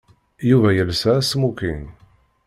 Yuba yelsa asmoking.